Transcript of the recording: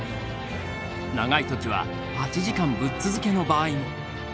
長い時は８時間ぶっ続けの場合も。